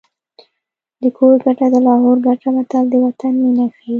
د کور ګټه د لاهور ګټه متل د وطن مینه ښيي